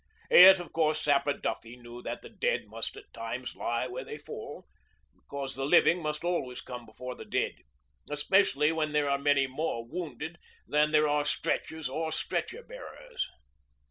Yet of course Sapper Duffy knew that the dead must at times lie where they fall, because the living must always come before the dead, especially while there are many more wounded than there are stretchers or stretcher bearers.